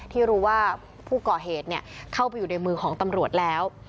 ที่รู้ว่าผู้ก่อเหตุเข้าไปอยู่ในมือของตำรวจแล้ว